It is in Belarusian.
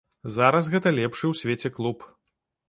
Зараз гэта лепшы ў свеце клуб.